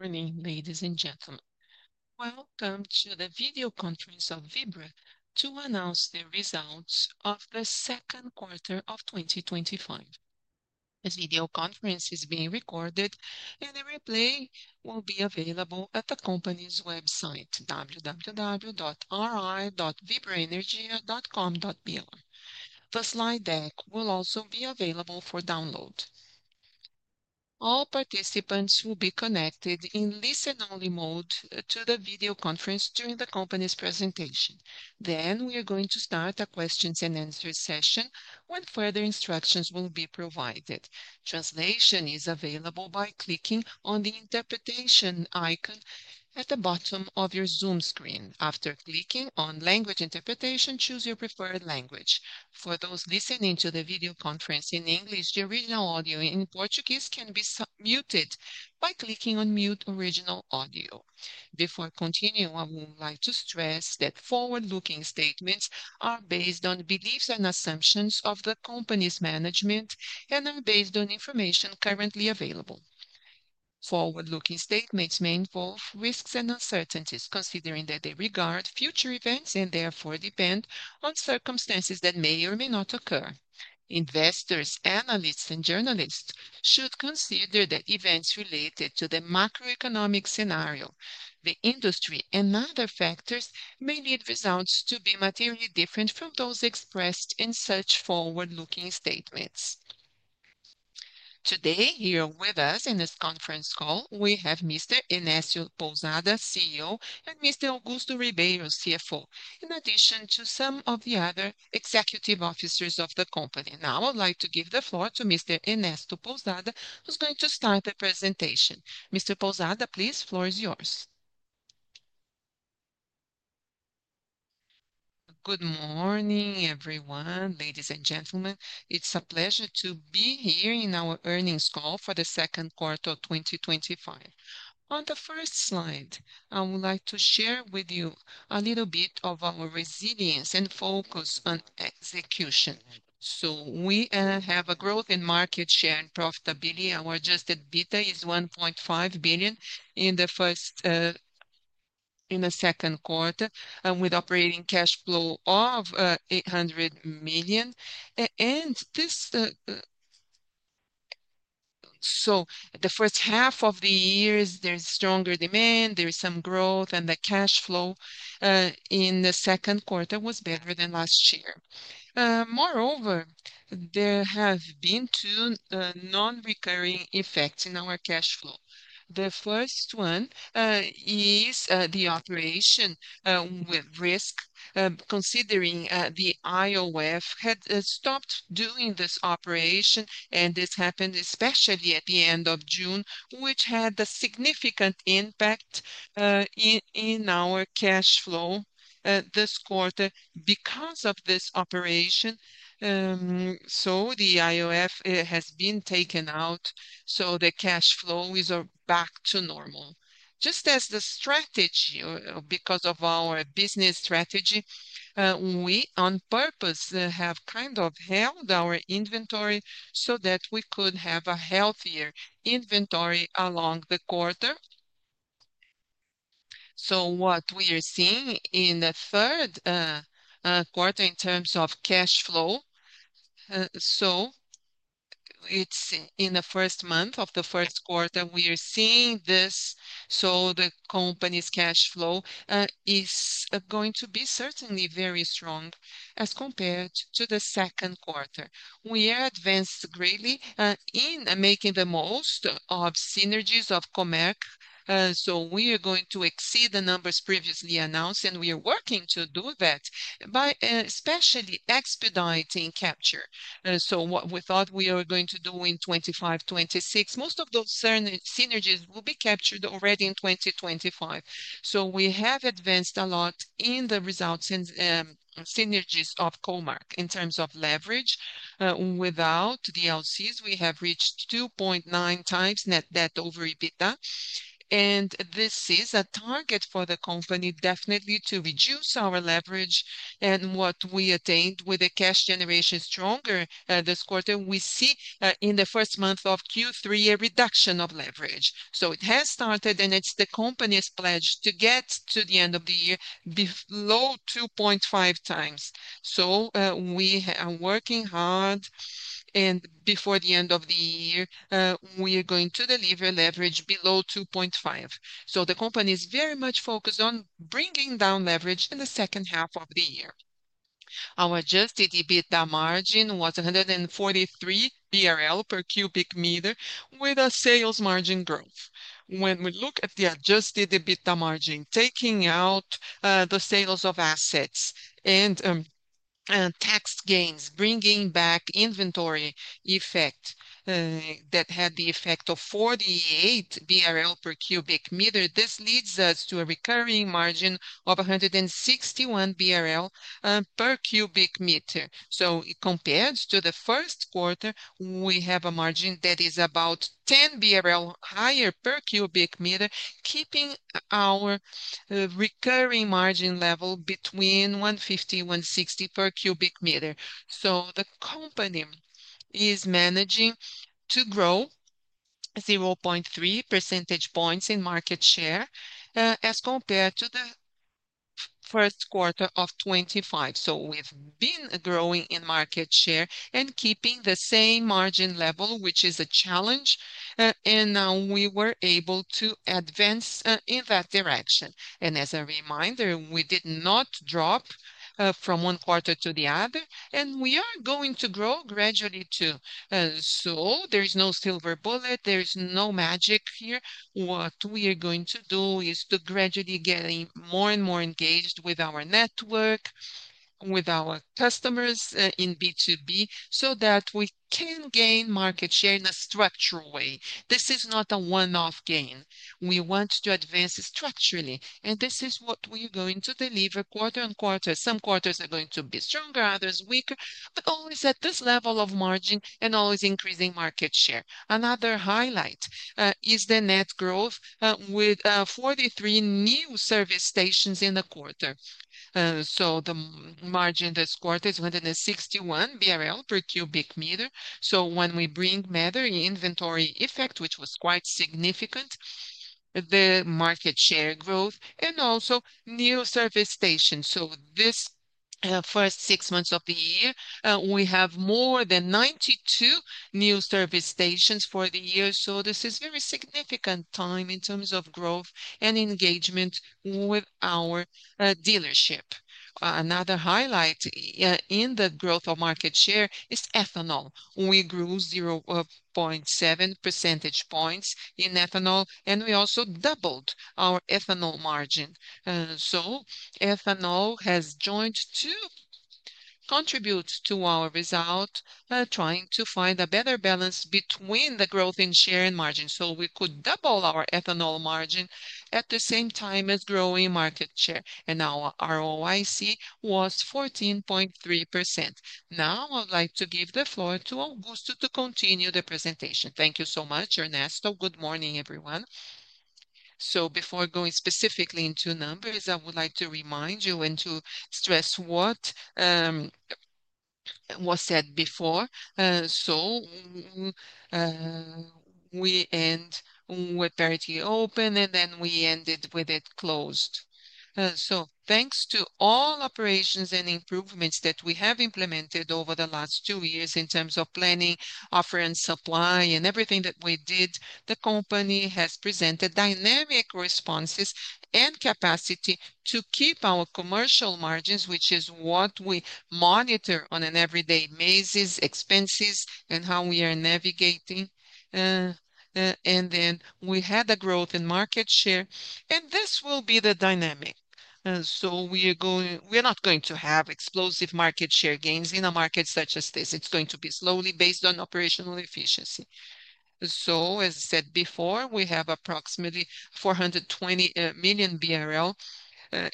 Morning. Ladies and gentlemen, welcome to the video conference of Vibra to announce the results of the second quarter of 2025. This video conference is being recorded and a replay will be available at the company's website, www.ri.vibraenergia.com. The slide deck will also be available for download. All participants will be connected in listen-only mode to the video conference during the company's presentation. We are going to start a questions and answers session when further instructions will be provided. Translation is available by clicking on the interpretation icon at the bottom of your Zoom screen. After clicking on Language Interpretation, choose your preferred language. For those listening to the video conference in English, the original audio in Portuguese can be muted by clicking on Mute Original Audio. Before continuing, I would like to stress that forward-looking statements are based on beliefs and assumptions of the company's management and are based on information currently available. Forward-looking statements may involve risks and uncertainties considering that they regard future events and therefore depend on circumstances that may or may not occur. Investors, analysts, and journalists should consider the events related to the macroeconomic scenario. The industry and other factors may need results to be materially different from those expressed in such forward-looking statements today. Here with us in this conference call we have Mr. Ernesto Pousada, CEO, and Mr. Augusto Ribeiro, CFO, in addition to some of the other executive officers of the company. Now I'd like to give the floor to Mr. Ernesto Pousada who's going to start the presentation. Mr. Pousada, please. Floor is yours. Ladies and gentlemen, it's a pleasure to be here in our earnings call for the second quarter of 2025. On the first slide, I would like to share with you a little bit of our resilience and focus on execution so we have a growth in market share and profitability. Our Adjusted EBITDA is 1.5 billion in the second quarter with operating cash flow of 800 million. The first half of the year shows stronger demand, there's some growth, and the cash flow in the second quarter was better than last year. Moreover, there have been two non-recurring effects in our cash flow. The first one is the operation with risk. Considering the IOF had stopped doing this operation and this happened especially at the end of June, which had a significant impact in our cash flow this quarter because of this operation. The IOF has been taken out, so the cash flow is back to normal just as the strategy. Because of our business strategy, we on purpose have kind of held our inventory so that we could have a healthier inventory along the quarter. What we are seeing in the third quarter in terms of cash flow, it's in the first month of the first quarter we are seeing this. The company's cash flow is going to be certainly very strong as compared to the second quarter. We are advanced greatly in making the most of synergies of Comerc. We are going to exceed the numbers previously announced and we are working to do that by especially expediting capture. We thought we are going to do in 2025, 2026. Most of those synergies will be captured already in 2025. We have advanced a lot in the results and synergies of Comerc in terms of leverage. Without DLCs we have reached 2.9x net debt/EBITDA. This is a target for the company definitely to reduce our leverage and what we attained with the cash generation stronger this quarter we see in the first month three year reduction of leverage. It has started and it's the company's pledge to get to the end of the year below 2.5x. We are working hard and before the end of the year we are going to deliver leverage below 2.5. The company is very much focused on bringing down leverage in the second half of the year. Our Adjusted EBITDA margin was 143 BRL per cubic meter with a sales margin growth. When we look at the Adjusted EBITDA margin, taking out the sales of assets and tax gains, bringing back inventory effect that had the effect of 48 BRL per cubic meter. This leads us to a recurring margin of 161 BRL per cubic meter. Compared to the first quarter we have a margin that is about 10 BRL higher per cubic meter, keeping our recurring margin level between 150, 160 per cubic meter. The company is managing to grow 0.3 percentage points in market share as compared to first quarter 2025. We have been growing in market share and keeping the same margin level, which is a challenge and now we were able to advance in that direction and as a reminder we did not drop from one quarter to the other. We are going to grow gradually too. There is no silver bullet, there is no magic here. What we are going to do is to gradually get more and more engaged with our network, with our customers in B2B so that we can gain market share in a structural way. This is not a one-off gain. We want to advance structurally and this is what we're going to deliver quarter on quarter. Some quarters are going to be stronger, others weaker, but always at this level of margin and always increasing market share. Another highlight is the net growth with 43 new service stations in the quarter. The margin this quarter is 161 BRL per cubic meter. When we bring matter inventory effect, which was quite significant, the market share growth and also new service stations. In this first six months of the year, we have more than 92 new service stations for the year. This is a very significant time in terms of growth and engagement with our dealership. Another highlight in the growth of market share is ethanol. We grew 0.7 percentage points in ethanol and we also doubled our ethanol margin. Ethanol has joined to contribute to our result, trying to find a better balance between the growth in share and margin. We could double our ethanol margin at the same time as growing market share. Our ROIC was 14.3%. Now I'd like to give the floor to Augusto to continue the presentation. Thank you so much, Ernesto. Good morning everyone. Before going specifically into numbers, I would like to remind you and to stress what was said before. We end with parity open and then we ended with it closed. Thanks to all operations and improvements that we have implemented over the last two years in terms of planning, offer and supply and everything that we did, the company has presented dynamic responses and capacity to keep our commercial margins, which is what we monitor on an everyday basis, expenses and how we are navigating. We had the growth in market share and this will be the dynamic. We are not going to have explosive market share gains in a market such as this. It's going to be slowly based on operational efficiency. As I said before, we have approximately 420 million BRL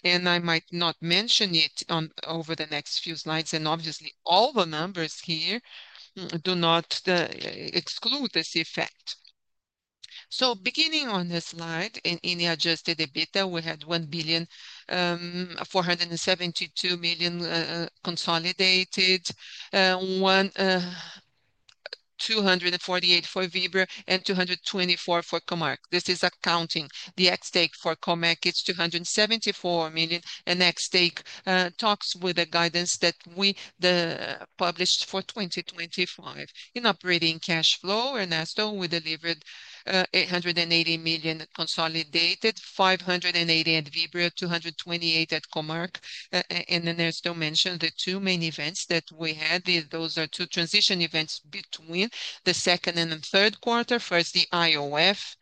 and I might not mention it over the next few slides and obviously all the members here do not exclude this effect. Beginning on the slide, in any Adjusted EBITDA, we had 1.472 billion consolidated, 248 million for Vibra and 224 million for Comerc. This is accounting the XTake. For Comerc it's 274 million. Taking the guidance that we published for 2025 in operating cash flow, Ernesto, we delivered 880 million consolidated, 580 million at Vibra, 228 million at Comerc. Augusto mentioned the two main events that we had. Those are two transition events between the second and the third quarter. First, the IOF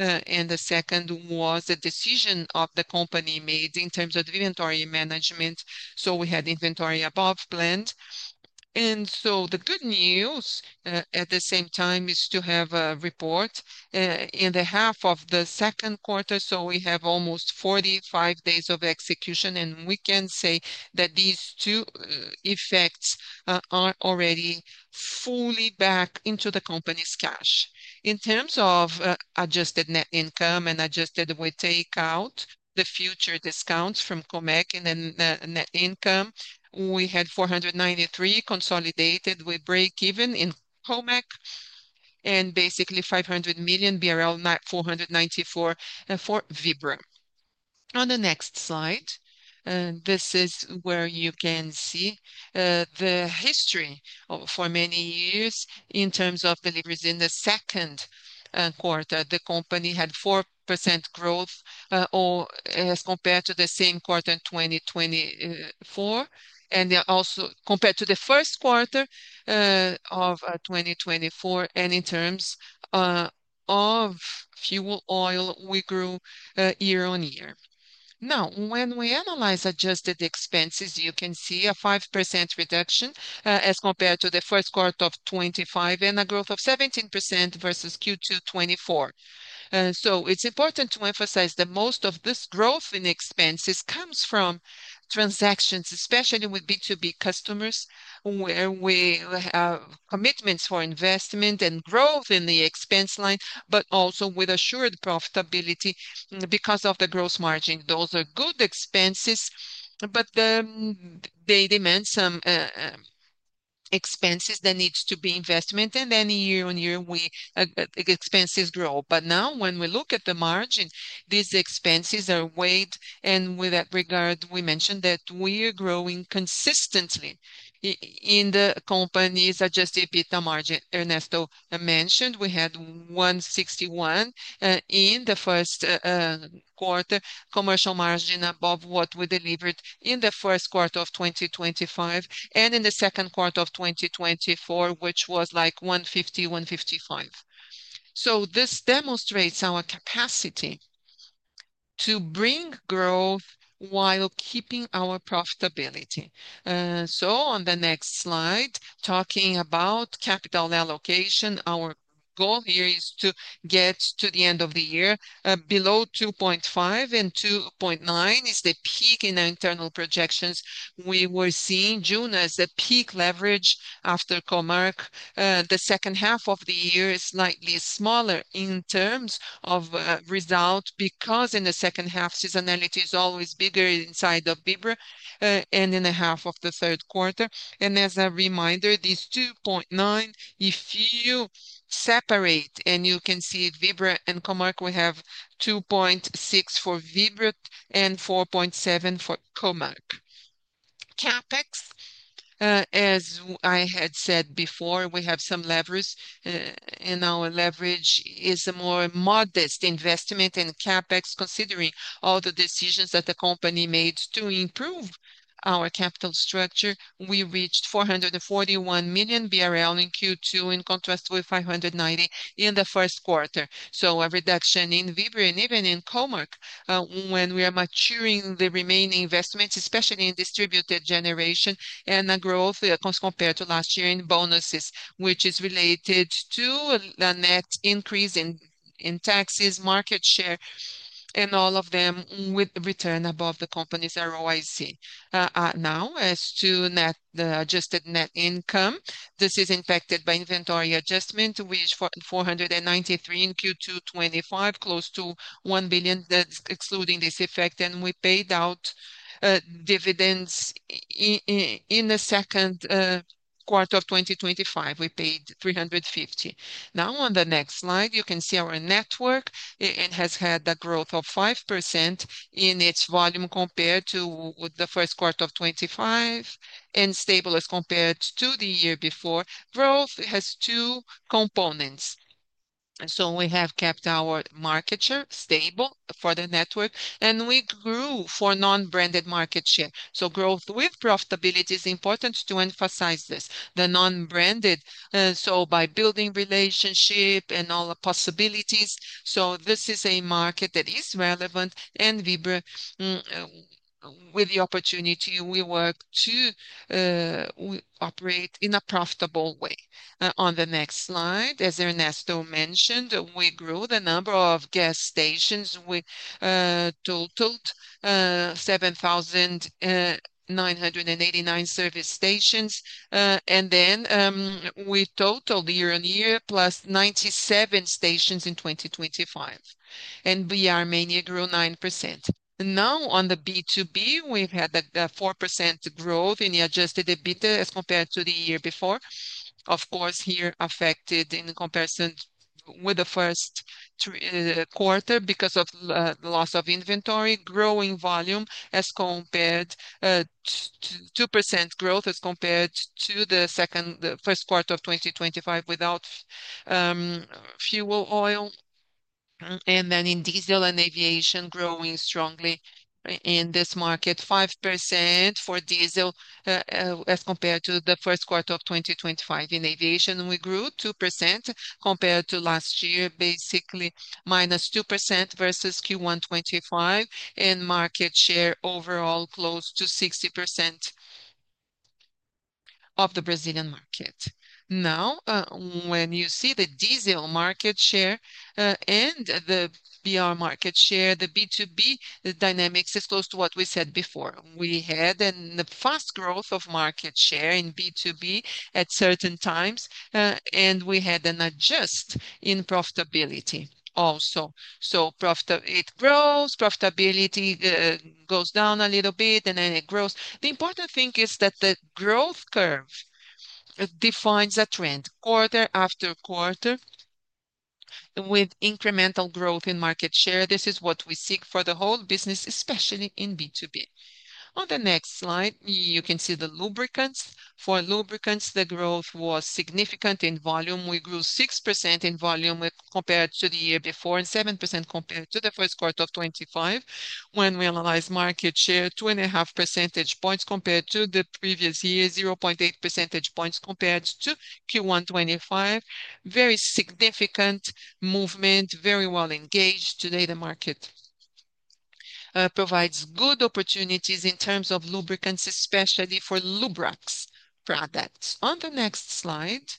and the second was a decision of the company made in terms of inventory management. We had inventory above planned. The good news at the same time is to have a report in the half of the second quarter. We have almost 45 days of execution, and we can say that these two effects are already fully back into the company's cash. In terms of adjusted net income and adjusted, with takeout, the future discounts from Comerc and net income, we had 493 million consolidated with break even in Comerc and basically 500 million, 494 million for Vibra. On the next slide, this is where you can see the history for many years in terms of deliveries. In the second quarter, the company had 4% growth as compared to the same quarter in 2024 and also compared to the first quarter of 2024. In terms of fuel oil, we grew year on year. Now, when we analyze adjusted expenses, you can see a 5% reduction as compared to first quarter 2025 and a growth of 17% versus Q2 2024. It is important to emphasize that most of this growth in expenses comes from transactions, especially with B2B customers, where we have commitments for investment and growth in the expense line, but also with assured profitability because of the gross margin. Those are good expenses, but they demand some expenses that need to be investment. Year on year, expenses grow. Now, when we look at the margin these expenses are weighed, and with that regard, we mentioned that we are growing consistently in the company's Adjusted EBITDA margin. Ernesto mentioned we had 161 in the first quarter, commercial margin above what we delivered in the first quarter of 2025 and in the second quarter of 2024, which was like 150, 155. This demonstrates our capacity to bring growth while keeping our profitability. On the next slide, talking about capital allocation, our goal here is to get to the end of the year below 2.5 and 2.9 is the peak in internal projections. We were seeing June as a peak leverage after Comerc. The second half of the year is slightly smaller in terms of result because in the second half seasonality is always bigger inside of Vibra and in the half of the third quarter. As a reminder, this 2.9, if you separate and you can see Vibra and Comerc, we have 2.6 for Vibra and 4.7 for Comerc. CapEx, as I had said before, we have some levers and our leverage is a more modest investment in CapEx considering all the decisions that the company made to improve our capital structure. We reached 441 million BRL in Q2 in contrast with 590 million in the first quarter, so a reduction in Vibra and even in Comerc. When we are maturing the remaining investments, especially in distributed generation growth compared to last year in bonuses, which is related to the net increase in taxes, market share, and all of them with return above the company's ROIC. Now as to net, the adjusted net income. This is impacted by inventory adjustment, which is 493 million in Q2 2025, close to 1 billion. That's excluding this effect. We paid out dividends in the second quarter of 2025. We paid 350 million. On the next slide you can see our network. It has had the growth of 5% in its volume compared to first quarter 2025 and stable as compared to the year before. Growth has two components. We have kept our market share stable for the network and we grew for non-branded market share. Growth with profitability is important to emphasize, the non-branded. By building relationship and all the possibilities, this is a market that is relevant and Vibra with the opportunity, we work to operate in a profitable way. On the next slide, as Ernesto mentioned, we grew the number of gas stations. We totaled 7,989 service stations. We totaled year-on-year +97 stations in 2025, and BR Mania grew 9%. Now on the B2B, we've had 4% growth in the Adjusted EBITDA as compared to the year before. Of course, here affected in comparison with the first quarter because of loss of inventory, growing volume as compared, 2% growth as compared to the second. The first quarter of 2025 without fuel oil. In diesel and aviation, growing strongly in this market, 5% for diesel as compared to the first quarter of 2025. In aviation, we grew 2% compared to last year, basically -2% versus Q1 2025. Market share overall is close to 60% of the Brazilian market. When you see the diesel market share and the BR market share, the B2B dynamics are close to what we said before. We had the fast growth of market share in B2B at certain times. We had an adjustment in profitability also. Profitability grows, profitability goes down a little bit, and then it grows. The important thing is that the growth curve defines a trend quarter after quarter with incremental growth in market share. This is what we seek for the whole business, especially in B2B. On the next slide you can see the lubricants. For lubricants, the growth was significant in volume. We grew 6% in volume compared to the year before and 7% compared to first quarter 2025 when we analyzed market share. There were 2.5 percentage points compared to the previous year, and 0.8 percentage points compared to Q1 25. Very significant movement. Very well engaged today. The market provides good opportunities in terms of lubricants, especially for Lubrax products. On the next slide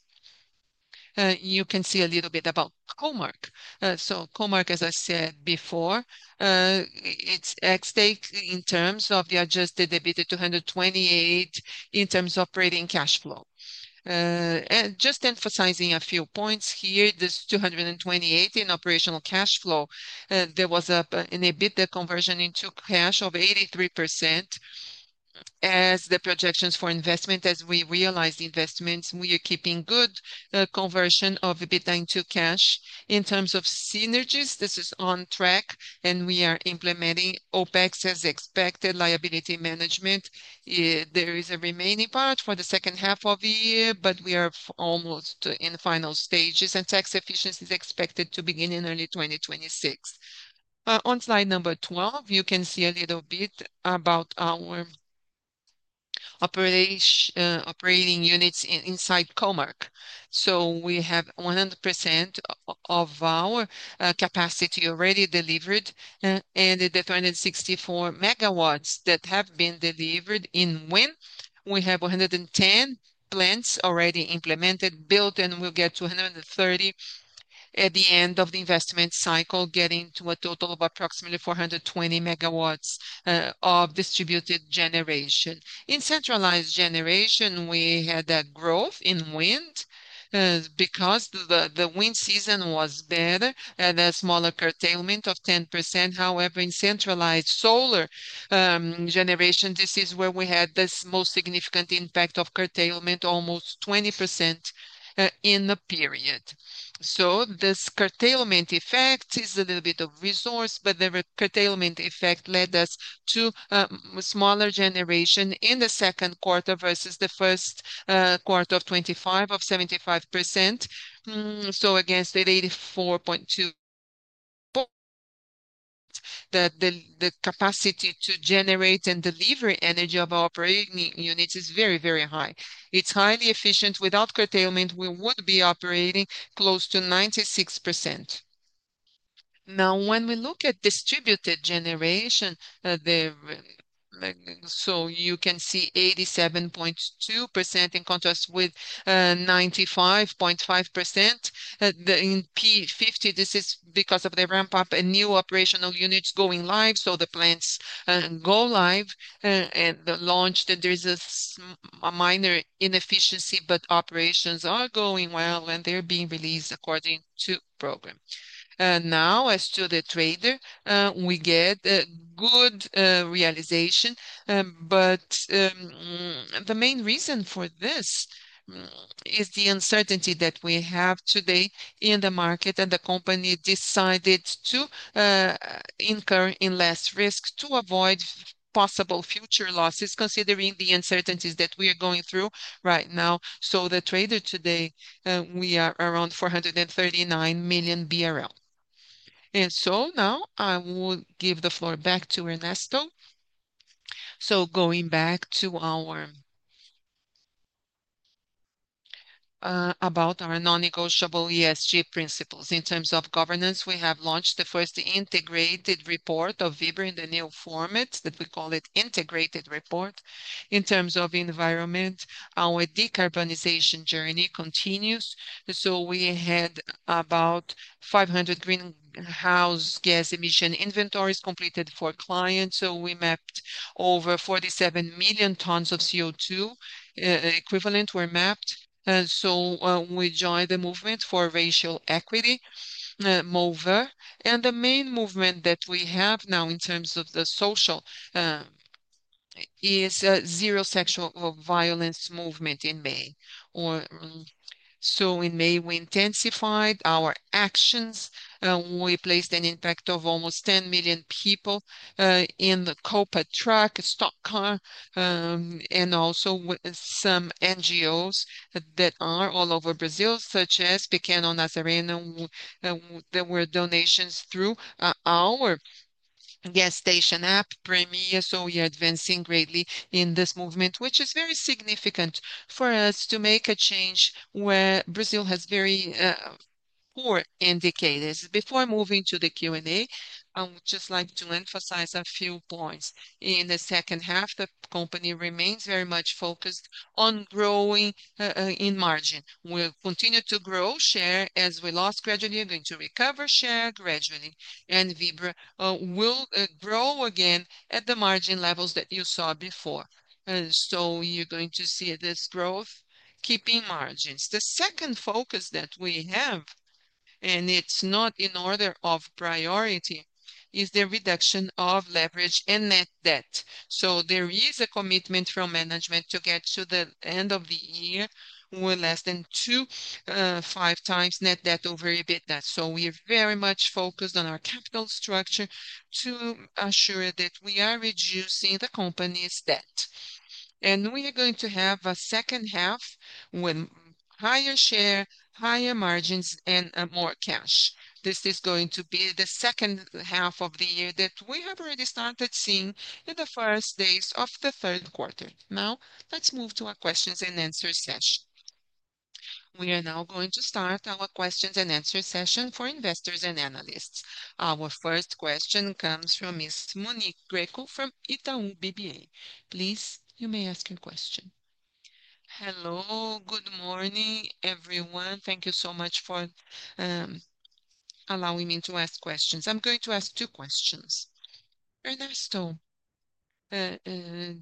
you can see a little bit about Comerc. Comerc, as I said before, is at stake in terms of the Adjusted EBITDA 228 in terms of operating cash flow. Just emphasizing a few points here, this 228 in operational cash flow, there was an EBITDA conversion into cash of 83% as the projections for investment. As we realize investments, we are keeping good conversion of EBITDA into cash. In terms of synergies, this is on track and we are implementing OpEx as expected. Liability management, there is a remaining part for the second half of the year, but we are almost in final stages and tax efficiency is expected to begin in early 2026. On slide number 12 you can see a little bit about our operating units inside Comerc. We have 100% of our capacity already delivered and the 364 MW that have been delivered in wind. We have 110 plants already implemented, built, and we'll get to 130 at the end of the investment cycle, getting to a total of approximately 420 MW of distributed generation. In centralized generation, we had a growth in wind because the wind season was better, with a smaller curtailment of 10%. However, in centralized solar generation, this is where we had the most significant impact of curtailment, almost 20% in the period. This curtailment effect is a little bit of a resource, but the curtailment effect led us to smaller generation in the second quarter versus the first quarter of 25, of 75%. Against 84.2, the capacity to generate and deliver energy of operating units is very, very high. It's highly efficient. Without curtailment, we would be operating close to 96%. When we look at distributed generation, you can see 87.2% in contrast with 95.5% in P50. This is because of the ramp up and new operational units going live. The plants go live and the launch, there's a minor inefficiency, but operations are going well and they're being released according to program. As to the trader, we get a good realization, but the main reason for this is the uncertainty that we have today in the market and the company decided to incur in less risk to avoid possible future losses considering the uncertainties that we are going through right now. The trader today, we are around 439 million BRL. Now I will give the floor back to Ernesto. Going back to our non-negotiable ESG principles, in terms of governance, we have launched the first integrated report of Vibra Energia in the new format that we call integrated report. In terms of environment, our decarbonization journey continues. We had about 500 greenhouse gas emission inventories completed for clients. We mapped over 47 million tons of CO2 equivalent. We joined the movement for racial equity, Mover, and the main movement that we have now in terms of the social is Zero Sexual Violence movement. In May, we intensified our actions. We placed an impact of almost 10 million people in the Copa Truck, Stock Car, and also some NGOs that are all over Brazil, such as Pequeno Nazareno. There were donations through our gas station app, Premier. We are advancing greatly in this movement, which is very significant for us to make a change where Brazil has very poor indicators. Before moving to the Q&A, I would just like to emphasize a few points. In the second half, the company remains very much focused on growing in margin. We'll continue to grow share as we lost gradually. We're going to recover share gradually and Vibra will grow again at the margin levels that you saw before. You're going to see this growth keeping margins. The second focus that we have, and it's not in order of priority, is the reduction of leverage and net debt. There is a commitment from management to get to the end of the year at less than 2.5x Net Debt over EBITDA. We are very much focused on our capital structure to assure that we are reducing the company's debt and we are going to have a second half with higher share, higher margins, and more cash. This is going to be the second half of the year that we have already started seeing in the first days of the third quarter. Now let's move to our questions and answer session. We are now going to start our questions and answer session for investors and analysts. Our first question comes from Ms. Monique Greco from Itaú BBA. Liz, you may ask your question. Hello. Good morning everyone. Thank you so much for allowing me to ask questions. I'm going to ask two questions, Ernesto,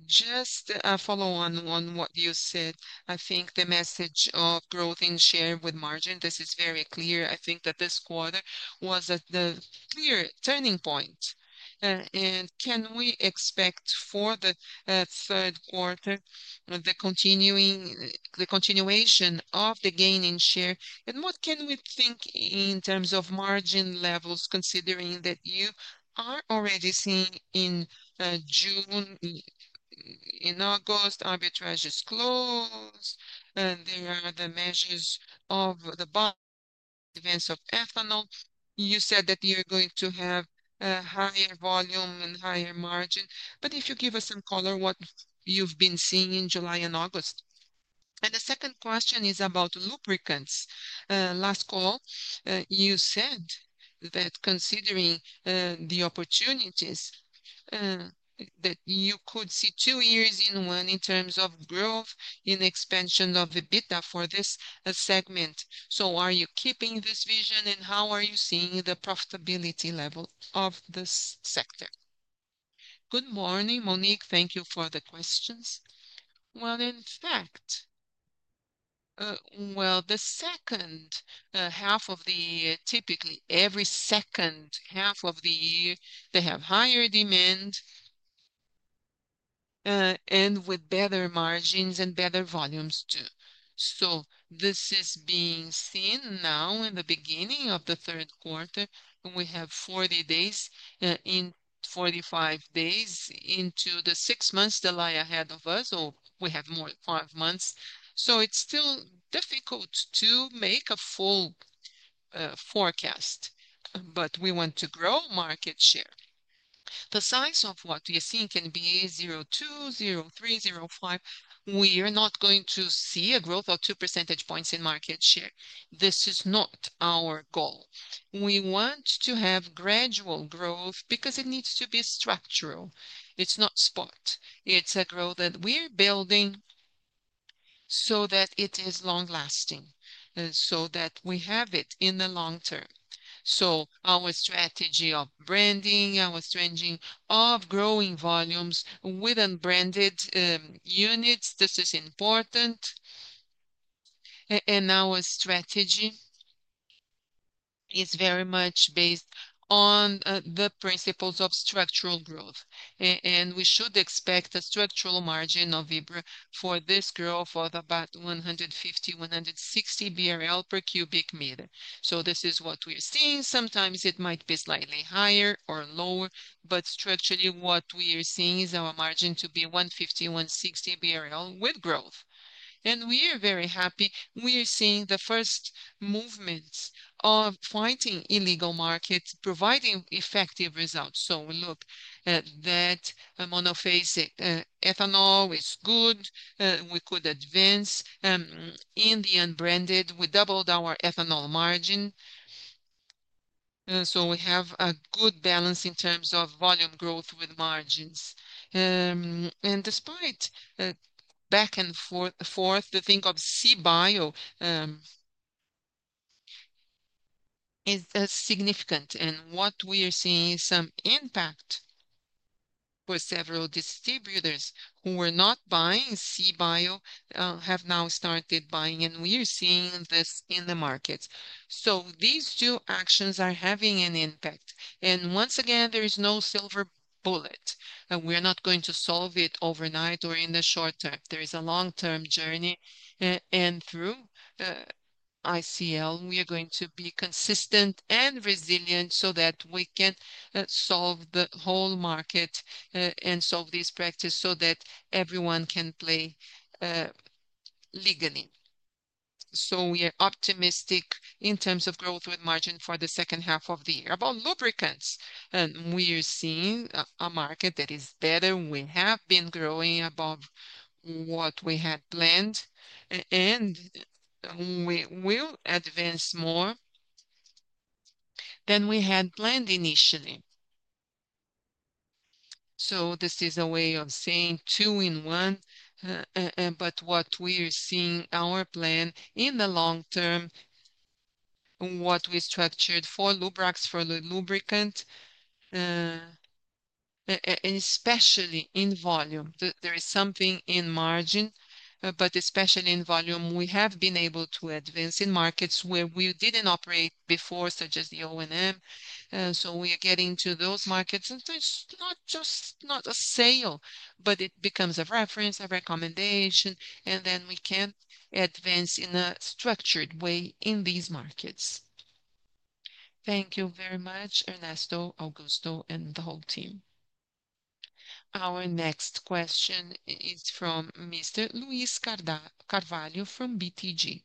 just follow on on what you said. I think the message of growth in share with margin, this is very clear. I think that this quarter was the clear turning point. Can we expect for the third quarter the continuation of the gain in share and what can we think in terms of margin levels considering that you are already seeing in June, in August, arbitrage is close and there are the measures of the buy events of ethanol. You said that you're going to have a higher volume and higher margin. If you give us some color what you've been seeing in July and August. The second question is about lubricants. Last call, you said that considering the opportunities that you could see two years in one in terms of growth in expansion of EBITDA for this segment. Are you keeping this vision and how are you seeing the profitability level of this sector? Good morning Monique. Thank you for the questions. In fact, the second half of the year, typically every second half of the year, they have higher demand and with better margins and better volumes too. This is being seen now in the beginning of the third quarter. We have 40 days in, 45 days into the six months that lie ahead of us or we have more five months. It's still difficult to make a full forecast. We want to grow market share. The size of what we see can be 0.2, 0.3, 0.5. We are not going to see a growth of 2% in market share. This is not our goal. We want to have gradual growth because it needs to be structural. It's not spot, it's a growth that we're building so that it is long lasting, so that we have it in the long term. Our strategy of branding, our stringing of growing volumes with unbranded units, this is important and our strategy is very much based on the principles of structural growth. We should expect a structural margin of Vibra for this growth of about 150–160 BRL per cubic meter. This is what we're seeing. Sometimes it might be slightly higher or lower, but structurally what we are seeing is our margin to be 150, 160 BRL per barrel with growth. We are very happy we are seeing the first movements of fighting illegal markets providing effective results. We look at that, monophasic ethanol is good. We could advance in the unbranded. We doubled our ethanol margin, so we have a good balance in terms of volume growth with margins. Despite back and forth, the thing of CBIO is significant. What we are seeing is some impact for several distributors who are not buying CBIO, have now started buying, and we are seeing this in the market. These two actions are having an impact, and once again there is no silver bullet. We are not going to solve it overnight or in the short term. There is a long-term journey, and through ICL we are going to be consistent and resilient so that we can solve the whole market and solve this practice so that everyone can play legally. We are optimistic in terms of growth with margin for the second half of the year. About lubricants, we are seeing a market that is better. We have been growing above what we had planned, and we will advance more than we had planned initially. This is a way of saying two in one. What we are seeing, our plan in the long term, what we structured for Lubrax, for the lubricant, especially in volume, there is something in margin, but especially in volume. We have been able to advance in markets where we didn't operate before, such as the O and M. We are getting to those markets, and it's not just a sale, but it becomes a reference, a recommendation, and then we can advance in a structured way in these markets. Thank you very much Ernesto, Augusto, and the whole team. Our next question is from Mr. Luiz Carvalho from BTG.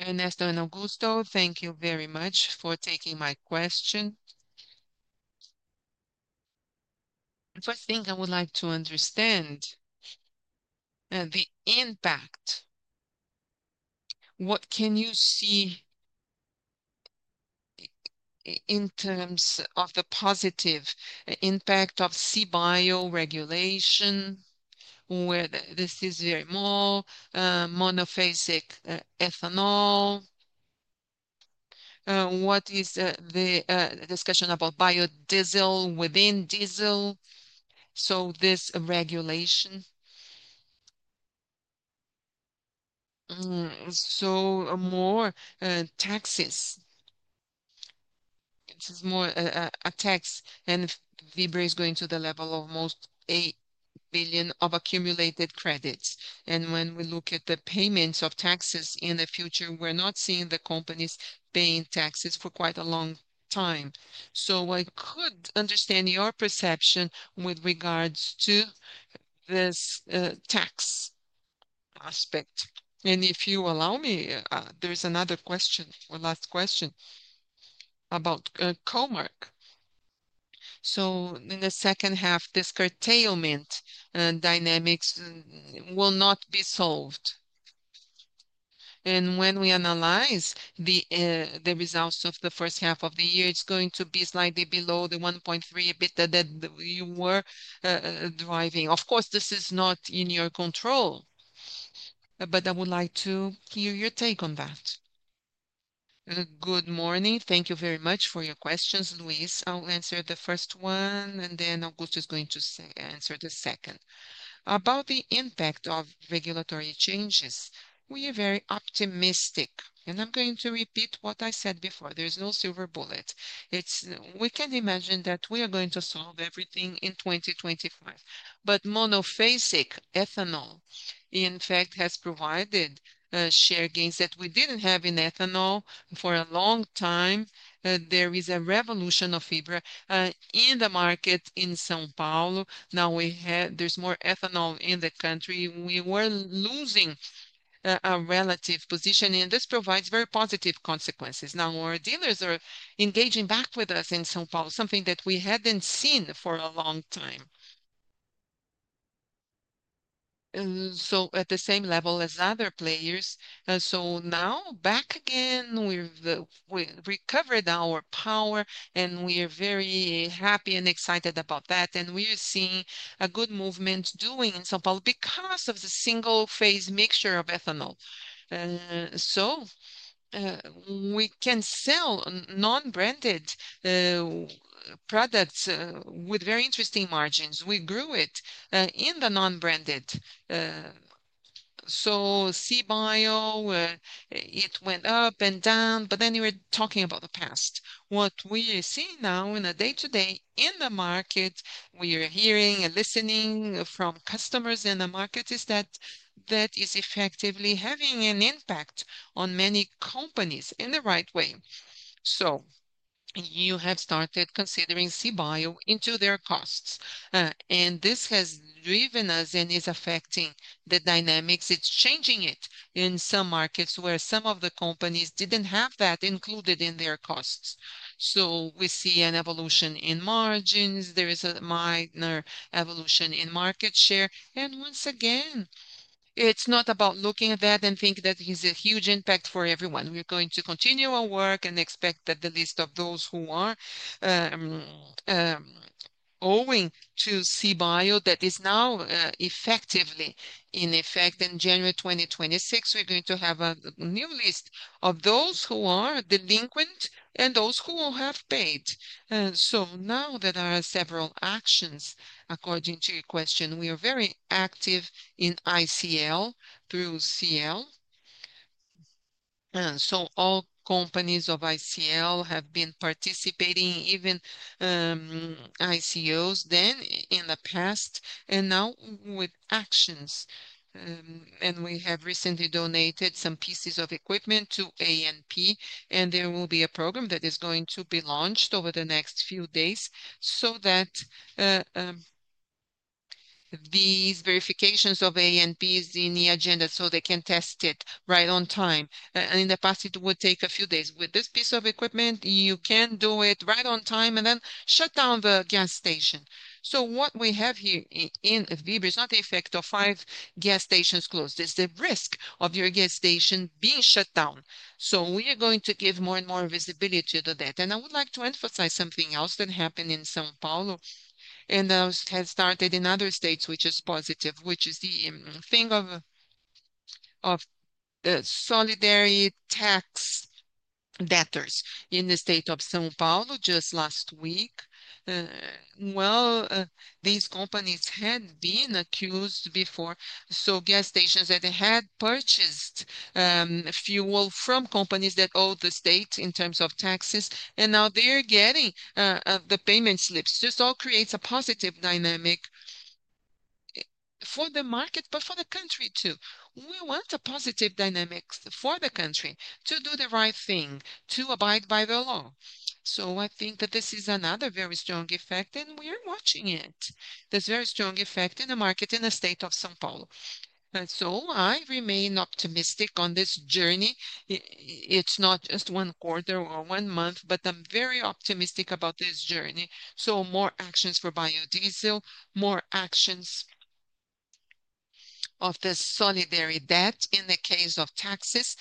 Ernesto and Augusto, thank you very much for taking my question. The first thing I would like to understand is the impact. What can you see in terms of the positive impact of CBIO regulation where this is very small, monophasic ethanol? What is the discussion about biodiesel within diesel? This regulation, more taxes, this is more a tax, and Vibra is going to the level of almost 8 billion of accumulated credits. When we look at the payments of taxes in the future, we're not seeing the companies paying taxes for quite a long time. I could understand your perception with regards to this tax aspect. If you allow me, there's another question, one last question about Comerc. In the second half, this curtailment dynamics will not be solved. When we analyze the results of the first half of the year, it's going to be slightly below the 1.3 billion EBITDA that you were driving of course, this is not in your control, but I would like to hear your take on that. Good morning. Thank you very much for your questions, Luiz. I'll answer the first one and then Augusto is going to answer the second about the impact of regulatory changes. We are very optimistic, and I'm going to repeat what I said before: there's no silver bullet. We can imagine that we are going to solve everything in 2025, but monophasic ethanol in fact has provided share gains that we didn't have in ethanol for a long time. There is a revolution of fiber in the market in São Paulo. Now there's more ethanol in the market. We were losing a relative position, and this provides very positive consequences. Now our dealers are engaging back with us in São Paulo, something that we hadn't seen for a long time. At the same level as other players, now back again, we've recovered our power, and we are very happy and excited about that. We are seeing a good movement in São Paulo because of the single phase mixture of ethanol. We can sell non-branded products with very interesting margins. We grew it in the non-branded segment. CBIO, it went up and down, but then you were talking about the past. What we see now in the day-to-day in the market, we are hearing and listening from customers in the market, is that that is effectively having an impact on many companies in the right way. Companies have started considering CBIO into their costs, and this has driven us and is affecting the dynamics. It's changing it in some markets where some of the companies didn't have that included in their costs. We see an evolution in margins. There is a minor evolution in market share. Once again, it's not about looking at that and thinking that it's a huge impact for everyone. We are going to continue our work and expect that the list of those who are owing to CBIO, that is now effectively in effect in January 2026, we're going to have a new list of those who are delinquent and those who will have paid. There are several actions according to your question. We are very active in ICL through CL. All companies of ICL have been participating, even ICOs then in the past and now with actions. We have recently donated some pieces of equipment to ANP, and there will be a program that is going to be launched over the next few days so that these verifications of A and B are in the agenda so they can test it right on time. In the past it would take a few days; with this piece of equipment you can do it right on time and then shut down the gas station. What we have here in Vibra is not the effect of five gas stations closed. It's the risk of your gas station being shut down. We are going to give more and more visibility to that. I would like to emphasize something else that happened in São Paulo and has started in other states, which is positive, which is the thing of solidary tax debtors in the state of São Paulo just last week. These companies had been accused before. Gas stations that had purchased fuel from companies that owed the state in terms of taxes are now getting the payment slips. This all creates a positive dynamic for the market, but for the country too. We want a positive dynamic for the country to do the right thing, to abide by the law. I think that this is another very strong effect, and we are watching this very strong effect in the market in the state of São Paulo. I remain optimistic on this journey. It's not just one quarter or one month, but I'm very optimistic about this journey. More actions for biodiesel, more actions of the solidary debt in the case of taxes.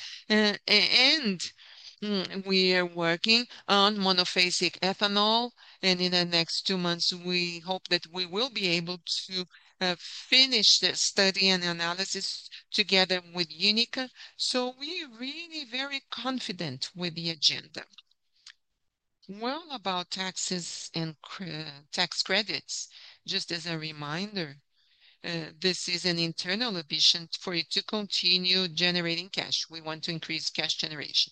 We are working on monophasic ethanol, and in the next two months we hope that we will be able to finish the study and analysis together with Unica. We are really very confident with the agenda. About taxes and tax credits, just as a reminder, this is an internal efficiency for it to continue generating cash. We want to increase cash generation,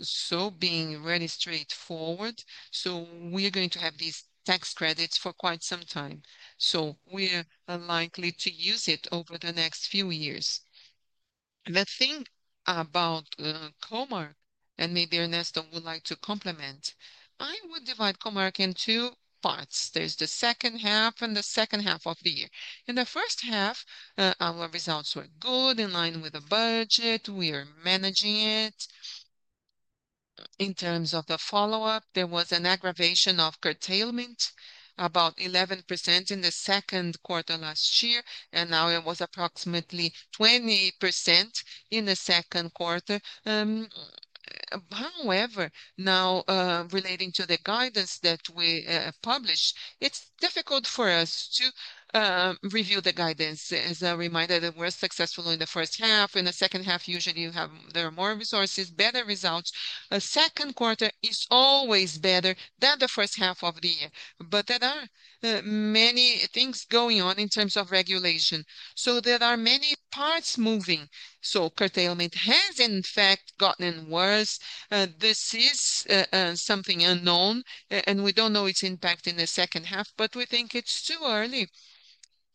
so being really straightforward, we're going to have these tax credits for quite some time. We're likely to use it over the next few years. I think about Comerc, and maybe Ernesto would like to complement. I would divide Comerc in two parts. There's the second half and the second half of the year. In the first half our results were good, in line with the budget. We are managing it in terms of the follow-up. There was an aggravation of curtailment, about 11% in the second quarter last year, and now it was approximately 20% in the second quarter. However, now relating to the guidance that we published, it's difficult for us to review the guidance as a reminder that we're successful in the first half. In the second half, usually you have more resources, better results. A second quarter is always better than the first half of the year. There are many things going on in terms of regulation. There are many parts moving. Curtailment has in fact gotten worse. This is something unknown and we don't know its impact in the second half. We think it's too early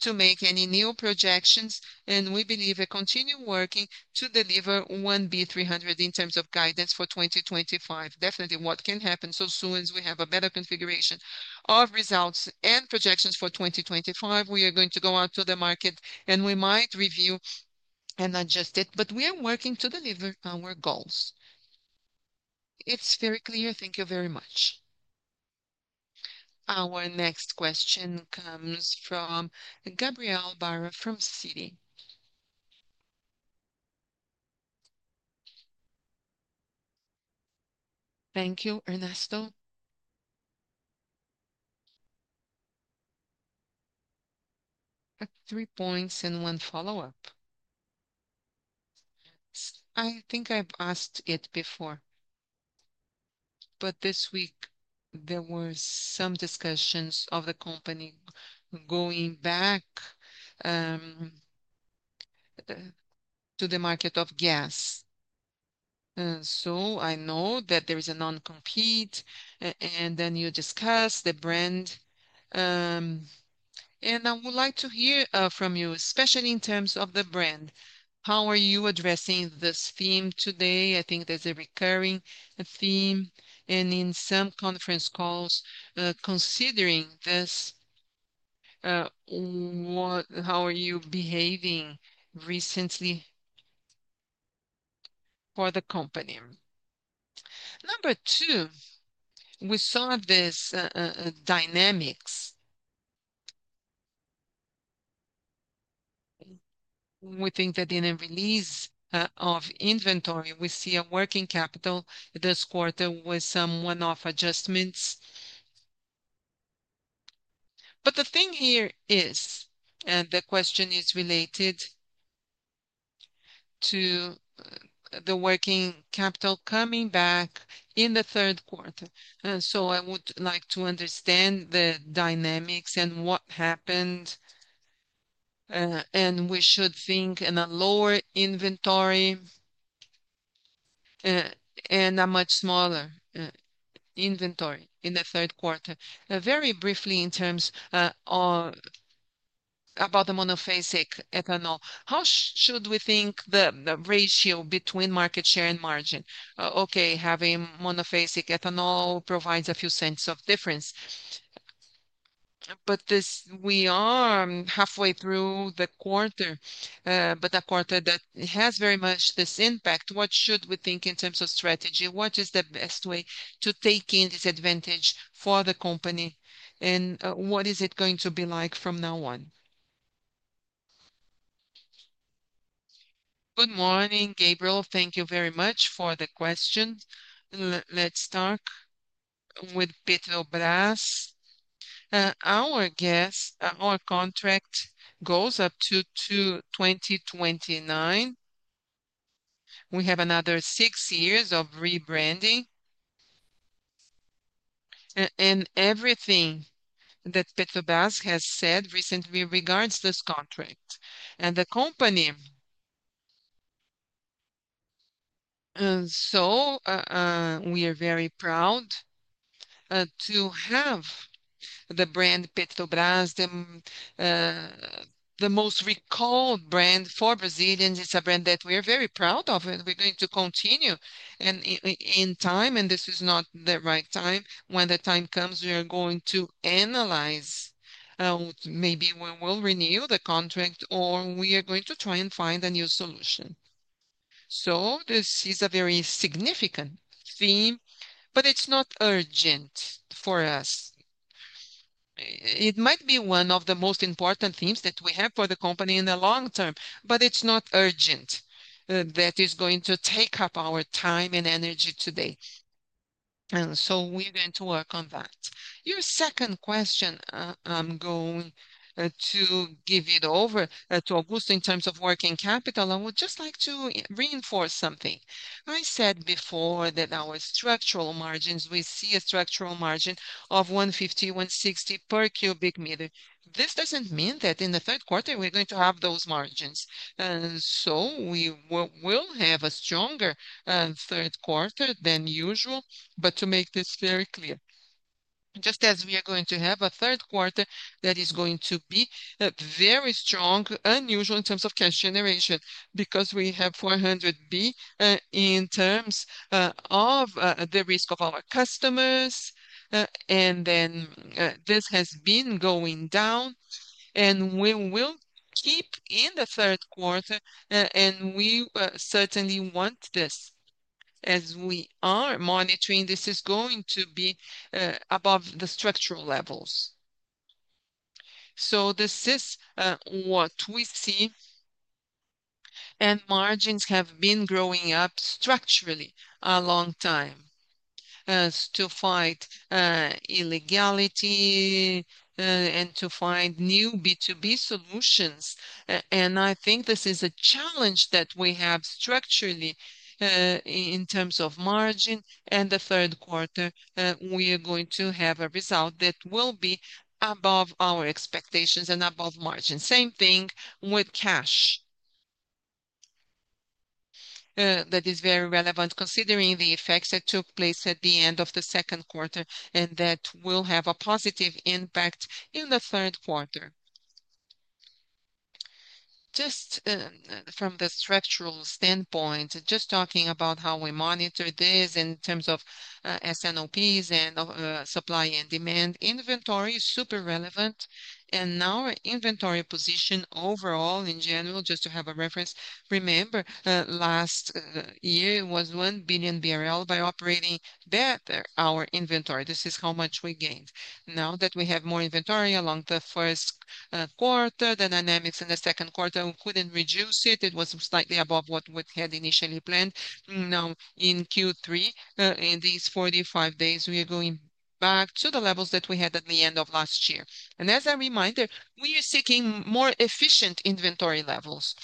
to make any new projections. We believe they continue working to deliver 1.3 billion in terms of guidance for 2025. Definitely. What can happen as soon as we have a better configuration of results and projections for 2025, we are going to go out to the market and we might review and adjust it. We are working to deliver our goals. It's very clear. Thank you very much. Our next question comes from Gabriel Barra from Citi. Thank you, Ernesto. Three points and one follow-up. I think I've asked it before, but this week there were some discussions of the company going back to the market of gas. I know that there is a non-compete and then you discuss the brand and I would like to hear from you, especially in terms of the brand. How are you addressing this theme today? I think there's a recurring theme and in some conference calls considering this. How are you behaving recently for the company? Number two, we saw this dynamics. We think that in a release of inventory we see a working capital this quarter with some one-off adjustments. The thing here is, and the question is related to the working capital coming back in the third quarter. I would like to understand the dynamics and what happened and we should think in a lower inventory and a much smaller inventory in the third quarter. Very briefly, in terms about the monophasic ethanol, how should we think the ratio between market share and margin? Having monophasic ethanol provides a few cents of difference, but this, we are halfway through the quarter, but a quarter that has very much this impact. What should we think in terms of strategy? What is the best way to take in disadvantage for the company and what is it going to be like from now on? Good morning, Gabriel. Thank you very much for the question. Let's start with Petrobras, our guest. Our contract goes up to 2029. We have another six years of rebranding and everything that Petrobras has said recently regarding this contract and the company. We are very proud to have the brand Petrobras, the most recalled brand for Brazilians. It's a brand that we are very proud of and we're going to continue and in time, and this is not the right time. When the time comes, we are going to analyze, maybe we will renew the contract or we are going to try and find a new solution. This is a very significant theme, but it's not urgent for us. It might be one of the most important themes that we have for the company in the long term, but it's not urgent. That is not going to take up our time and energy today. We are going to work on that. Your second question, I'm going to give it over to Augusto. In terms of working capital, I would just like to reinforce something I said before, that our structural margins, we see a structural margin of 150, 160 per cubic meter. This doesn't mean that in the third quarter we're going to have those margins. We will have a stronger third quarter than usual. To make this very clear, just as we are going to have a third quarter that is going to be very strong, unusual in terms of cash generation, because we have 400 billion in terms of the risk of our customers. This has been going down and we will keep in the third quarter. We certainly want this as we are monitoring, this is going to be above the structural levels. This is what we see. Margins have been growing up structurally a long time to fight illegality and to find new B2B solutions. I think this is a challenge that we have structurally, in terms of margin and the third quarter, we are going to have a result that will be above our expectations and above margin. Same thing with cash. That is very relevant considering the effects that took place at the end of the second quarter and that will have a positive impact in the third quarter. Just from the structural standpoint, just talking about how we monitor this in terms of S&OPs and supply and demand and inventory is super relevant. Now our inventory position overall in general, just to have a reference, remember last year it was 1 billion BRL. By operating better, our inventory, this is how much we gained. Now that we have more inventory along the first quarter, the dynamics in the second quarter, we couldn't reduce it. It was slightly above what we had initially planned. Now in Q3, in these 45 days, we are going back to the levels that we had at the end of last year. As a reminder, we are seeking more efficient inventory levels.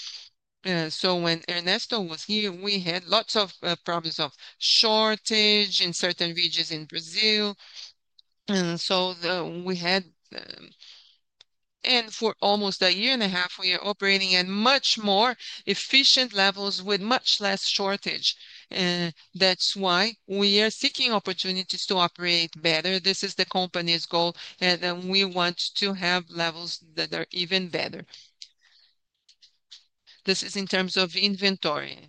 When Ernesto was here, we had lots of problems of shortage in certain regions in Brazil. For almost a year and a half, we are operating at much more efficient levels with much less shortage. That is why we are seeking opportunities to operate better. This is the company's goal. We want to have levels that are even better. This is in terms of inventory;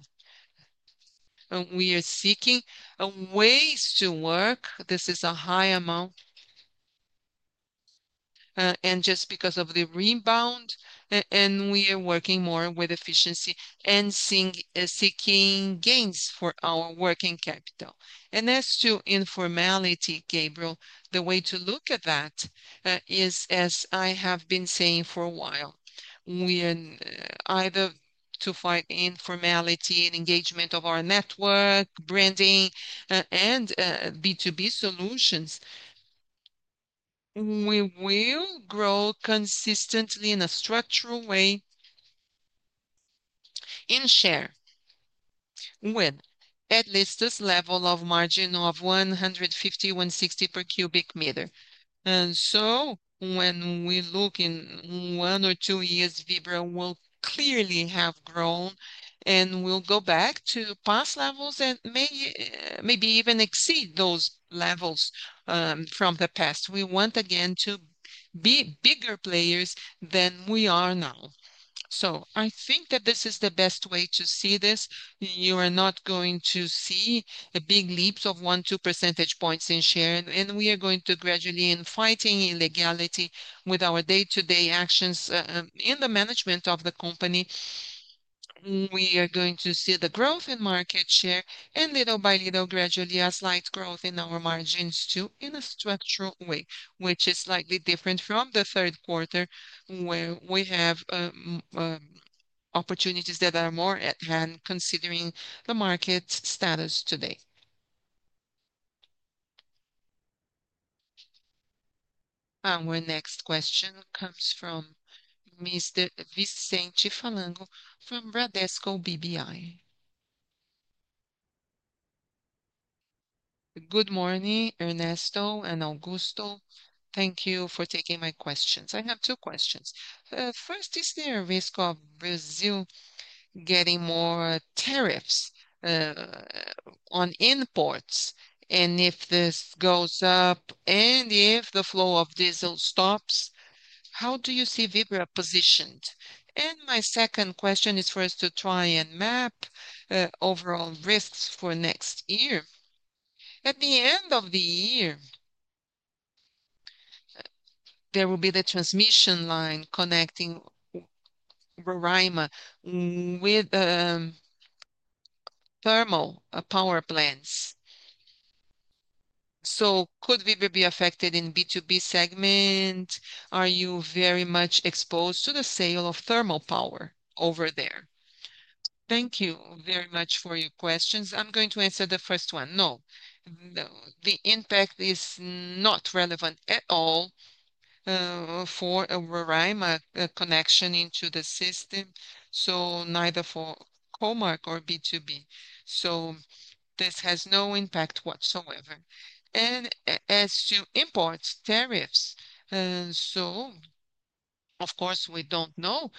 we are seeking ways to work. This is a high amount just because of the rebound. We are working more with efficiency and seeking gains for our working capital. As to informality, Gabriel, the way to look at that is, as I have been saying for a while, either to fight informality and engagement of our network branding and B2B solutions, we will grow consistently in a structural way in share with at least this level of margin of 150, 160 per cubic meter. When we look in one or two years, Vibra will clearly have grown and will go back to past levels and maybe even exceed those levels from the past. We want again to be bigger players than we are now. I think that this is the best way to see this. You are not going to see big leaps of 1, 2 percentage points in share. We are going to gradually, in fighting illegality with our day-to-day actions in the management of the company, see the growth in market share and little by little, gradually a slight growth in our margins too, in a structural way, which is slightly different from the third quarter where we have opportunities that are more advanced considering the market status today. Our next question comes from Mr. Vicente Falanga from Bradesco BBI. Good morning, Ernesto and Augusto. Thank you for taking my questions. I have two questions. First, is there a risk of Brazil getting more tariffs on imports? If this goes up and if the flow of diesel stops, how do you see Vibra positioned? My second question is for us to try and map overall risks for next year. At the end of the year there will be the transmission line connecting Roraima with thermal power plants. Could we be affected in B2B segment? Are you very much exposed to the sale of thermal power over there? Thank you very much for your questions. I'm going to answer the first one. No, the impact is not relevant at all for a Roraima connection into the system, so neither for Comerc or B2B. This has no impact whatsoever. As to import tariffs, of course we don't know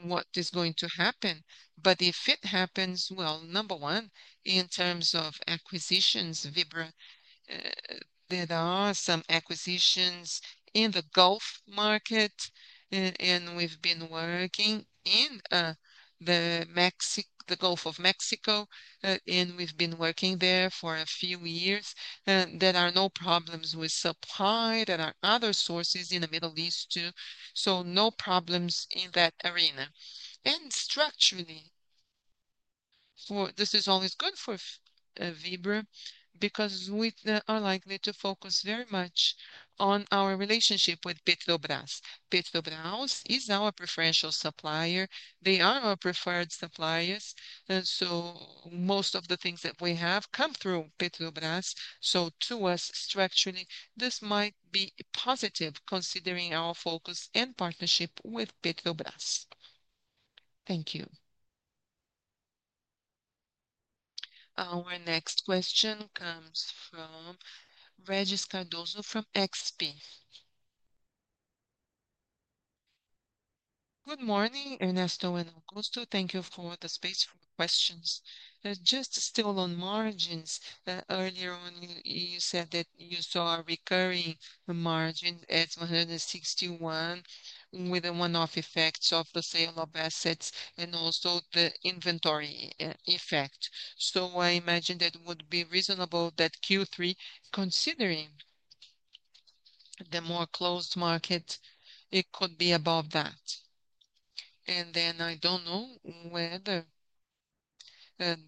what is going to happen, but if it happens, number one, in terms of acquisitions, Vibra, there are some acquisitions in the Gulf market and we've been working in the Gulf of Mexico and we've been working there for a few years. There are no problems with supply. There are other sources in the Middle East too, so no problems in that arena. Structurally, this is always good for Vibra because we are likely to focus very much on our relationship with Petrobras. Petrobras is our preferential supplier. They are our preferred suppliers, so most of the things that we have come through Petrobras. To us, structurally this might be positive considering our focus and partnership with Petrobras. Thank you. Our next question comes from Regis Cardoso from XP. Good morning. Ernesto and Augusto, thank you for the space for questions. Just still on margins, earlier on you said that you saw a recurring EBITDA margin at 1.61% with a one-off effect of the sale of assets and also the inventory effect. I imagine that it would be reasonable that Q3, considering the more closed market, it could be above that. I don't know whether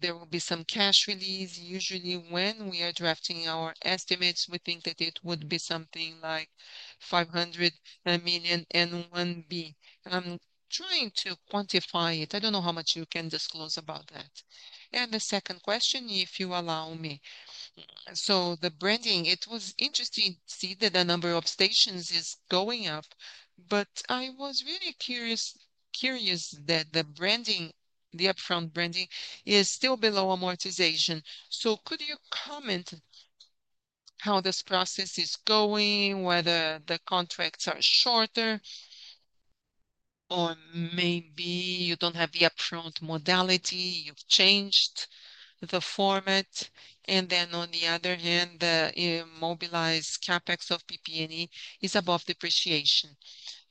there will be some cash release. Usually when we are drafting our estimates, we think that it would be something like 500 million, I mean 1 billion. I'm trying to quantify it. I don't know how much you can disclose about that. The second question, if you allow me. The branding, it was interesting to see that the number of stations is going up, but I was really curious that the branding, the upfront branding is still below amortization. Could you comment how this process is going? Whether the contracts are shorter or maybe you don't have the upfront modality, you've changed the format. On the other hand, the mobilized CapEx of PP&E is above depreciation.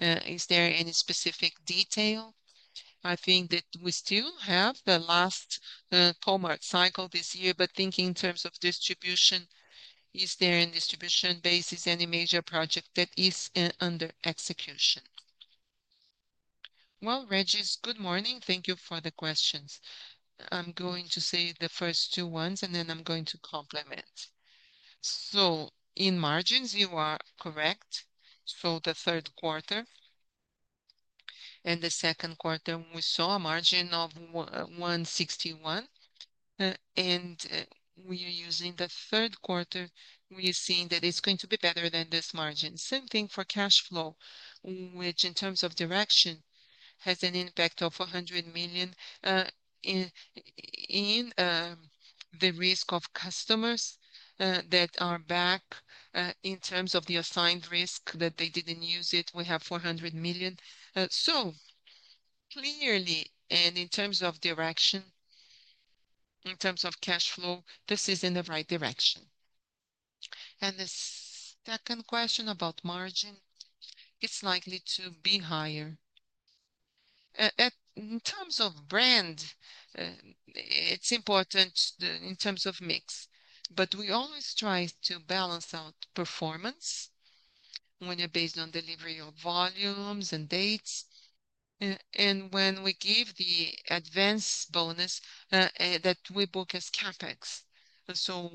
Is there any specific detail? I think that we still have the last Comerc cycle this year. Thinking in terms of distribution, is there in distribution basis any major project that is under execution? Regis. Good morning. Thank you for the questions. I'm going to say the first two ones and then I'm going to complement. In margins, you are correct. The third quarter and the second quarter we saw a margin of 161 and we are using the third quarter we are seeing that it's going to be better than this margin. Same thing for cash flow, which in terms of direction has an impact of 100 million in the risk of customers that are back in terms of the assigned risk that they didn't use it. We have 400 million. Clearly, in terms of direction, in terms of cash flow, this is in the right direction. The second question about margin, it's likely to be higher in terms of brand, it's important in terms of mix. We always try to balance out performance when you're based on delivery of volumes and dates and when we give the advance bonus that we book as CapEx.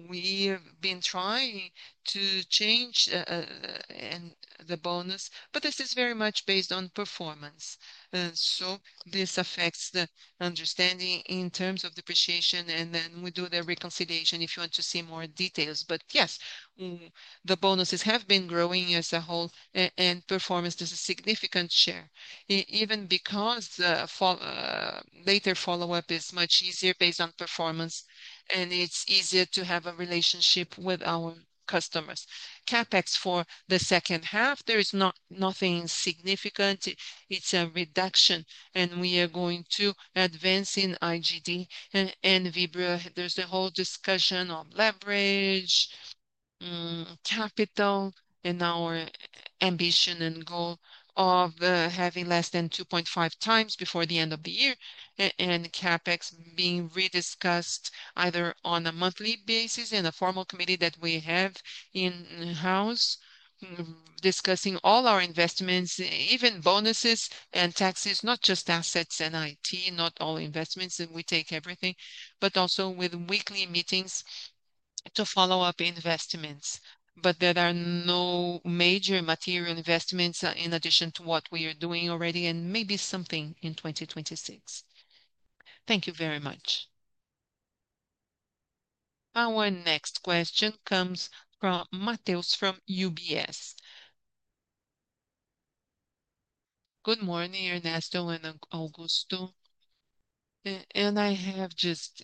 We've been trying to change the bonus but this is very much based on performance. This affects the understanding in terms of depreciation and then we do the reconciliation if you want to see more details. Yes, the bonuses have been growing as a whole and performance, there's a significant share even because later follow up is much easier based on performance and it's easier to have a relationship with our customers. CapEx for the second half, there is nothing significant. It's a reduction and we are going to advance. In IGD and Vibra there's a whole discussion of leverage capital and our ambition and goal of having less than 2.5x before the end of the year. CapEx being rediscussed either on a monthly basis and a formal committee that we have in house discussing all our investments, even bonuses and taxes, not just assets and not all investments and we take everything but also with weekly meetings to follow up investments. There are no major material investments in addition to what we are doing already and maybe something in 2026. Thank you very much. Our next question comes from Matthias from UBS. Good morning Ernesto and Augusto and I have just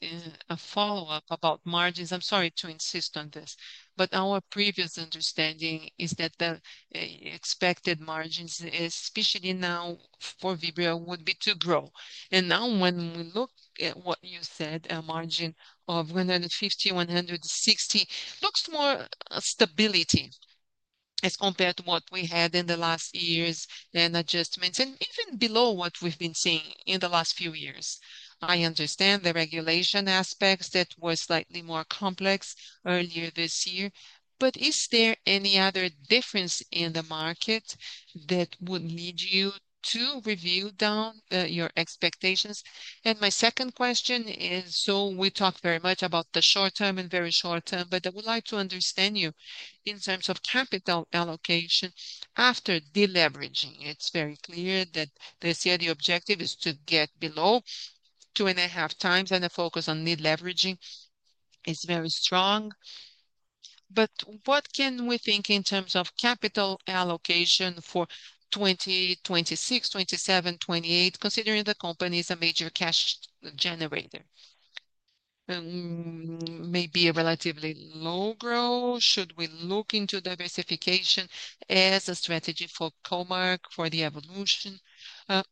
a follow up about margins. I'm sorry to insist on this but our previous understanding is that the expected margins, especially now for Vibra would be too broad. Now when we look at what you said, a margin of 150, 160 looks more stability as compared to what we had in the last years and adjustments and even below what we've been seeing in the last few years. I understand the regulation aspects that were slightly more complex earlier this year, but is there any other difference in the market that would lead you to review down your expectations? My second question is. We talk very much about the short term and very short term, but I would like to understand you in terms of capital allocation after deleveraging. It's very clear that they said the objective is to get below 2.5x and the focus on deleveraging is very strong. What can we think in terms of capital allocation for 2026, 2027, 2028 considering the company is a major cash generator, maybe a relatively low growth? Should we look into diversification as a strategy for Vibra Energia for the evolution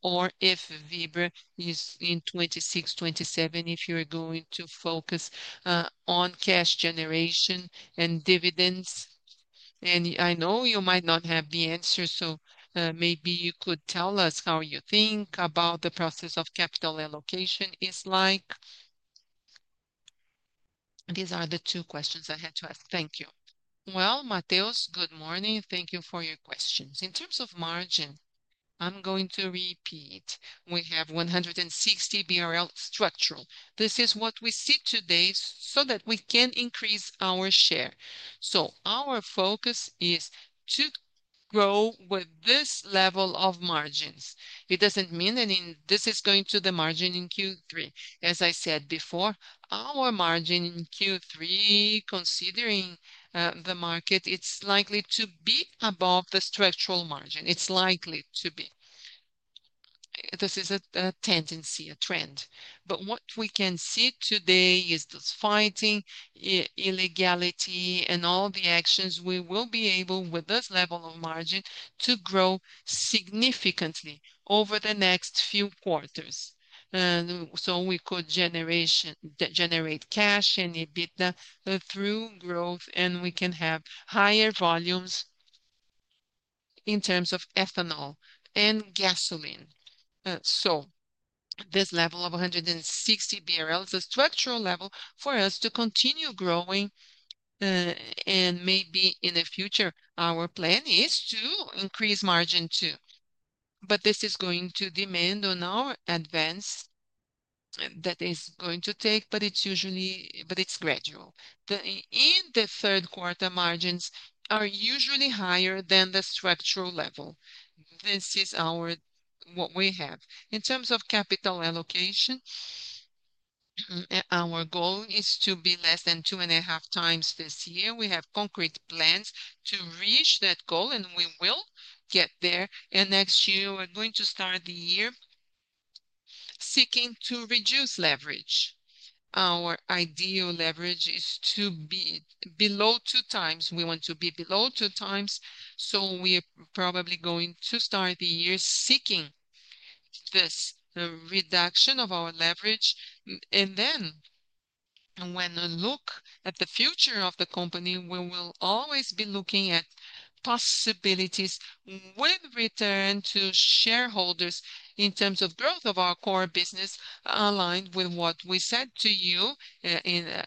or if Vibra Energia is in 2026, 2027 if you're going to focus on cash generation and dividends? I know you might not have the answer so maybe you could tell us how you think about the process of capital allocation is like. These are the two questions I had to ask. Thank you. Matthias, good morning. Thank you for your questions. In terms of margin, I'm going to repeat we have 160 BRL structural. This is what we see today so that we can increase our share. Our focus is to grow with this level of margins. It doesn't mean this is going to be the margin in Q3. As I said before, our margin in Q3 considering the market, it's likely to be above the structural margin. It's likely to be. This is a tendency, a trend. What we can see today is this fighting, illegality and all the actions. We will be able with this level of margin to grow significantly over the next few quarters. We could generate cash and EBITDA through growth, and we can have higher volumes in terms of ethanol and gasoline. This level of 160 BRL is a structural level for us to continue growing and maybe in the future. Our plan is to increase margin too, but this is going to depend on our advance. That is going to take, but it's usually gradual. In the third quarter, margins are usually higher than the structural level. This is what we have in terms of capital allocation. Our goal is to be less than two and a half times this year. We have concrete plans to reach that goal and we will get there. Next year we're going to start the year seeking to reduce leverage. Our ideal leverage is to be below two times. We want to be below two times. We are probably going to start the year seeking this reduction of our leverage. When we look at the future of the company, we will always be looking at possibilities when return to shareholders in terms of growth of our core business. Aligned with what we said to you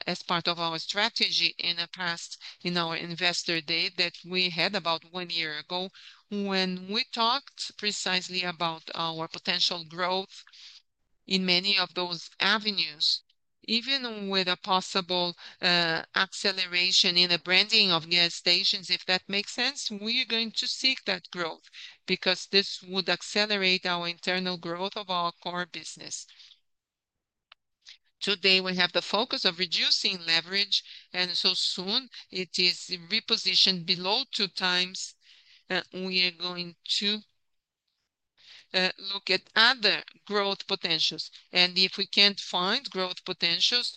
as part of our strategy in the past, in our investor day that we had about one year ago, when we talked precisely about our potential growth in many of those avenues, even with a possible acceleration in the branding of gas stations, if that makes sense, we are going to seek that growth because this would accelerate our internal growth of our core business. Today we have the focus of reducing leverage and as soon as it is repositioned below two times, we are going to look at other growth potentials and if we can't find growth potentials,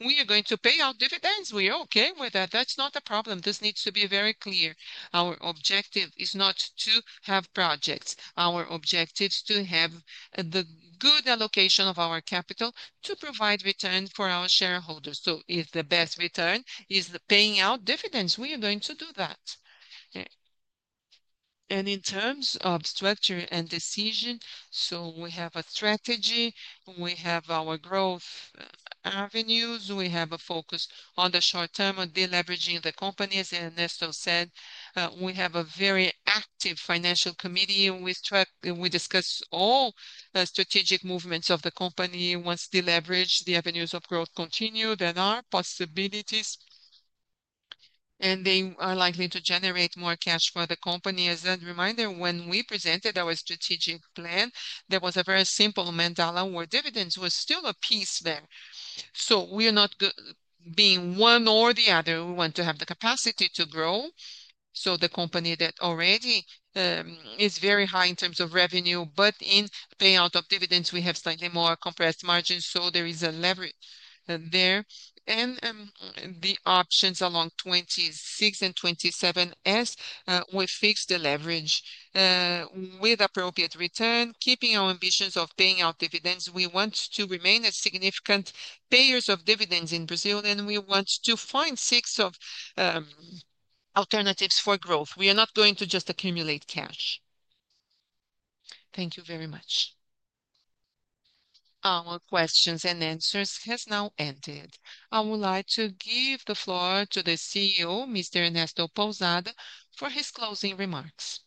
we are going to pay out dividends. We are okay with that. That's not the problem. This needs to be very clear. Our objective is not to have projects, our objective is to have the good allocation of our capital to provide return for our shareholders. If the best return is the paying out dividends, we are going to do that. In terms of structure and decision, we have a strategy, we have our growth avenues. We have a focus on the short term on deleveraging the company. As Ernesto said, we have a very active financial committee. We discuss all strategic movements of the company. Once deleveraged, the avenues of growth continue, there are possibilities and they are likely to generate more cash for the company. As a reminder, when we presented our strategic plan, there was a very simple mandala where dividends were still a piece there. We are not being one or the other. We want to have the capacity to grow. The company already is very high in terms of revenue, but in payout of dividends, we have slightly more compressed margins. There is a leverage there. The options along 2026 and 2027, we fix the leverage with appropriate return, keeping our ambitions of paying out dividends. We want to remain as significant payers of dividends in Brazil and we want to find alternatives for growth. We are not going to just accumulate cash. Thank you very much. Our questions and answers has now ended. I would like to give the floor to the CEO, Mr. Ernesto Pousada, for his closing remarks.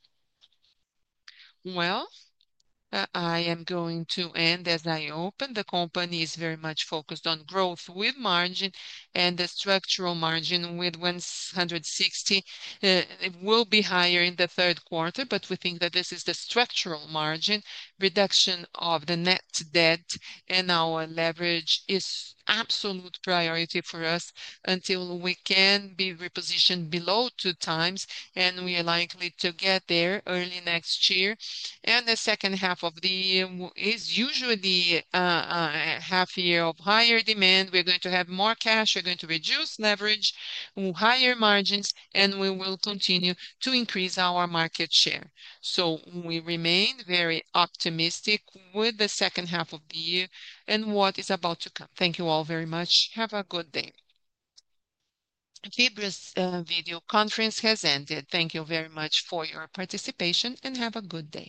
I am going to end as I open. The company is very much focused on growth with margin. The structural margin with 160, it will be higher in the third quarter. We think that this is the structural margin reduction of the net debt. Our leverage is absolute priority for us until we can be repositioned below two times. We are likely to get there early next year. The second half of the year is usually a half year of higher demand. We're going to have more cash, we're going to reduce leverage, higher margins, and we will continue to increase our market share. We remain very optimistic with the second half of the year and what is about to come. Thank you all very much. Have a good day. Vibra video conference has ended. Thank you very much for your participation and have a good day.